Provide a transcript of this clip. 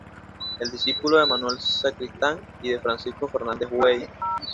Es discípulo de Manuel Sacristán y de Francisco Fernández Buey.